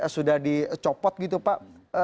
sudah dicopot gitu pak